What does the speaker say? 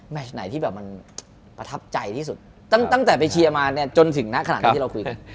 ไหนที่แบบมันประทับใจที่สุดตั้งแต่ไปเชียร์มาเนี่ยจนถึงณขณะนี้ที่เราคุยกัน